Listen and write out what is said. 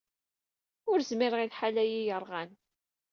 Ur zmireɣ i lḥal-ayyi yerɣan.